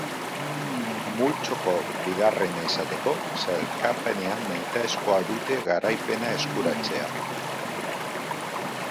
Multzoko bigarrena izateko sailkapenean nahitaezkoa dute garaipena eskuratzea.